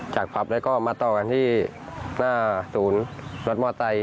ผับแล้วก็มาต่อกันที่หน้าศูนย์รถมอเตอร์